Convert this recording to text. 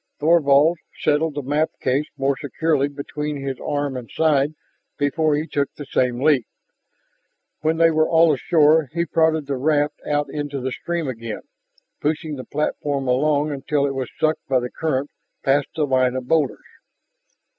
Thorvald settled the map case more securely between his arm and side before he took the same leap. When they were all ashore he prodded the raft out into the stream again, pushing the platform along until it was sucked by the current past the line of boulders.